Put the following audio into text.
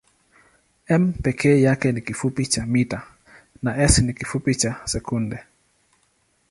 m peke yake ni kifupi cha mita na s ni kifupi cha sekunde.